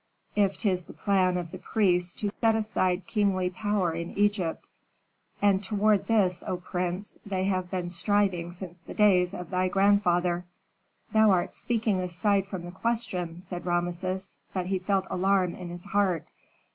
"If 'tis the plan of the priests to set aside kingly power in Egypt; and toward this, O prince, they have been striving since the days of thy grandfather." "Thou art speaking aside from the question," said Rameses, but he felt alarm in his heart.